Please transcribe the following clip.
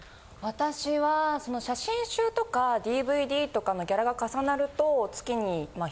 私は写真集とかＤＶＤとかのギャラが重なると。